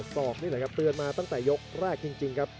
ศอกนี่แหละครับเตือนมาตั้งแต่ยกแรกจริงครับ